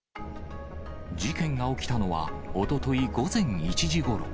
事件が起きたのはおととい午前１時ごろ。